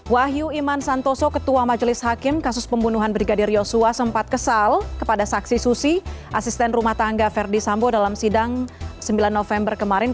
wahyu iman santoso ketua majelis hakim kasus pembunuhan brigadir yosua sempat kesal kepada saksi susi asisten rumah tangga verdi sambo dalam sidang sembilan november kemarin